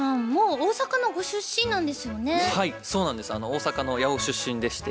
大阪の八尾出身でして。